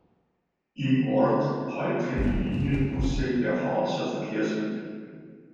Im Ort halten die Linienbusse der Harzer Verkehrsbetriebe.